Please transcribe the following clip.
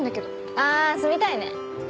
あ住みたいね。